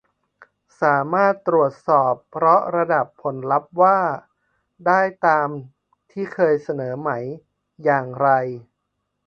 สามารถตรวจสอบเฉพาะระดับผลลัพธ์ว่าได้ตามที่เคยเสนอไหม อย่างไร